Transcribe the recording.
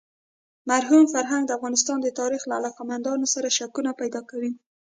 مرحوم فرهنګ د افغانستان د تاریخ له علاقه مندانو سره شکونه پیدا کوي.